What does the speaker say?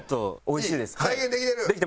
おいしいですはい。